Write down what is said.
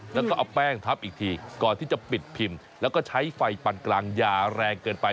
แล้วก็เอาแป้งทับอีกทีก่อนที่จะปิดพิมพ์แล้วก็ใช้ไฟปันกลางยาแรงเกินไป